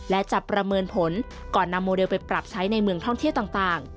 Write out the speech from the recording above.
และจะประเมินผลก่อนนำโมเดลไปปรับใช้ในเมืองท่องเที่ยวต่าง